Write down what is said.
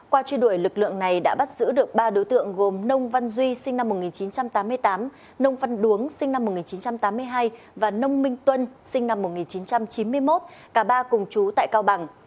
qua truy đuổi lực lượng này đã bắt giữ được ba đối tượng gồm nông văn duy sinh năm một nghìn chín trăm tám mươi tám nông văn đuống sinh năm một nghìn chín trăm tám mươi hai và nông minh tuân sinh năm một nghìn chín trăm chín mươi một cả ba cùng chú tại cao bằng